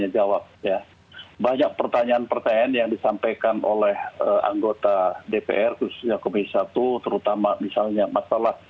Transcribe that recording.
jenderal andika perkasa